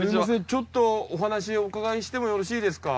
ちょっとお話お伺いしてもよろしいですか？